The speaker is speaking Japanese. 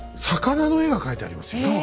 魚の絵が描いてありますよ。